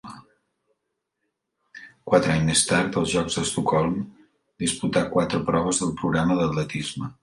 Quatre anys més tard, als Jocs d'Estocolm, disputà quatre proves del programa d'atletisme.